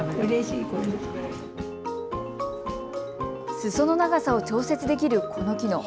すその長さを調節できるこの機能。